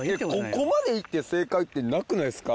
ここまでいって正解ってなくないですか？